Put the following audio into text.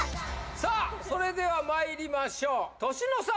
さあそれではまいりましょう年の差！